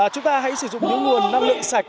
chúng ta hãy sử dụng những nguồn năng lượng sạch